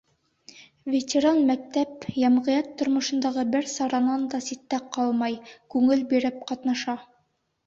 Ветеран мәктәп, йәмғиәт тормошондағы бер саранан да ситтә ҡалмай, күңел биреп ҡатнаша.